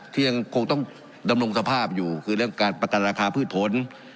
ที่ยังคงต้องดำรงสภาพอยู่คือเรื่องการประกันราคาพืชผล